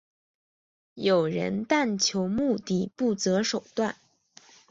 有人但求目的不择手段。